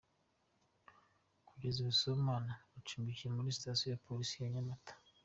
Kugeza ubu, Sibomana acumbikiwe kuri sitasiyo ya polisi ya Nyamagana.